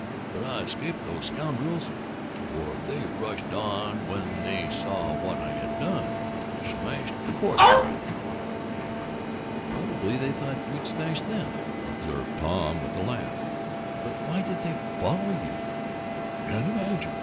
But I escaped those scoundrels, for they rushed on when they saw what I had done smashed the porch railing." "Probably they thought you'd smash them," observed Tom with a laugh. "But why did they follow you?" "Can't imagine!